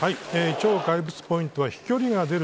超怪物ポイントは飛距離が出る